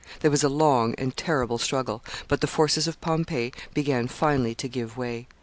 There was a long and terrible struggle, but the forces of Pompey began finally to give way.